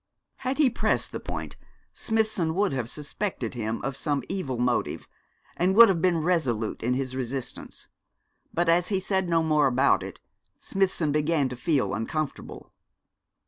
Had he pressed the point, Smithson would have suspected him of some evil motive, and would have been resolute in his resistance; but as he said no more about it, Smithson began to feel uncomfortable.